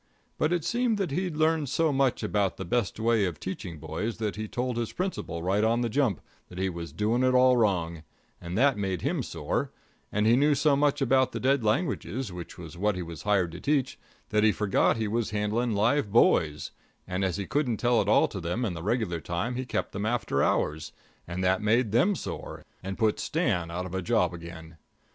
But it seemed that he'd learned so much about the best way of teaching boys, that he told his principal right on the jump that he was doing it all wrong, and that made him sore; and he knew so much about the dead languages, which was what he was hired to teach, that he forgot he was handling live boys, and as he couldn't tell it all to them in the regular time, he kept them after hours, and that made them sore and put Stan out of a job again.